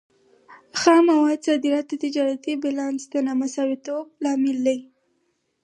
خام موادو صادرات د تجارتي بیلانس د نامساواتوب لامل دی.